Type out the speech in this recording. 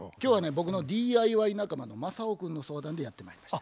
僕のＤＩＹ仲間のマサオ君の相談でやってまいりました。